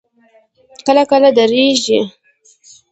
کله کله درېږي.